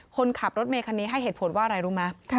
คนขับรถเมคันนี้ให้เหตุผลว่าอะไรรู้ไหม